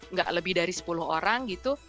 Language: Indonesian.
nggak lebih dari sepuluh orang gitu